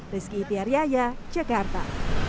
rizky tiaryaya jakarta